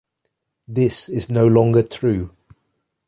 This is no longer true.